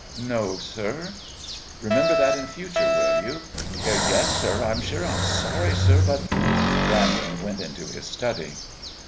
"No, sir." "Remember that in future, will you?" "Yes, sir. I'm sure I'm sorry, sir, but " Brandon went into his study.